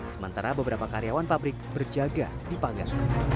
sementara beberapa karyawan pabrik berjaga di panggang